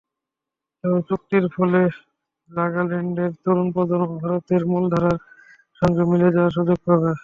তবে চুক্তিটির ফলে নাগাল্যান্ডের তরুণ প্রজন্ম ভারতের মূলধারার সঙ্গে মিলে যাওয়ার সুযোগ পাবে।